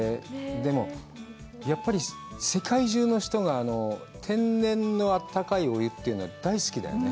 でも、やっぱり世界中の人が天然の温かいお湯というのは大好きだよね。